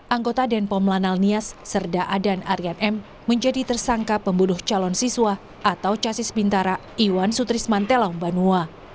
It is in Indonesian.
anggota denpom lanal nias serda adan arian m menjadi tersangka pembunuh calon siswa atau casis bintara iwan sutris mantelong banua